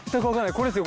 これですよ